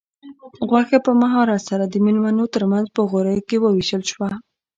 غوښه په مهارت سره د مېلمنو تر منځ په غوریو کې وویشل شوه.